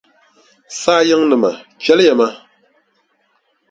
Saa yiŋnima chɛliya ma.